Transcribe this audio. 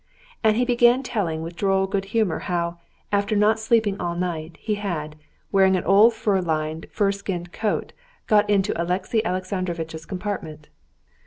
And he began telling with droll good humor how, after not sleeping all night, he had, wearing an old fur lined, full skirted coat, got into Alexey Alexandrovitch's compartment.